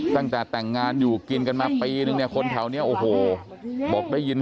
ตั้งแต่แต่งงานอยู่กินกันมาปีนึงเนี่ยคนแถวนี้โอ้โหบอกได้ยิน